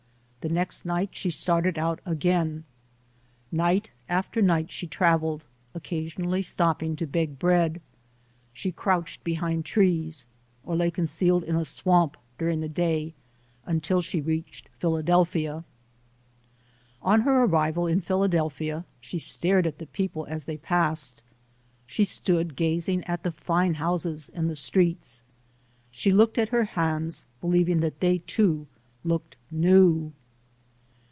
The next night she started out again. Night after night she traveled, occasion ally stopping to beg bread. She crouched behind trees or lay concealed in a swamp during the day until she reached Philadelphia. On her arrival in Philadelphia she stared at the people as they passed. She stood gazing at the fine houses and the streets. She looked at her hands, believing that they, too, looked new.